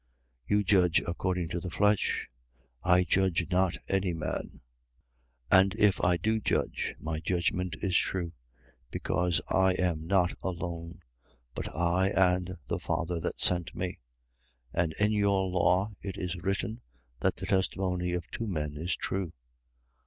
8:15. You judge according to the flesh: I judge not any man. 8:16. And if I do judge, my judgment is true: because I am not alone, but I and the Father that sent me. 8:17. And in your law it is written that the testimony of two men is true.